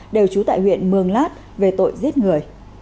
đều truyền thông báo